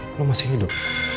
hai lu masih hidup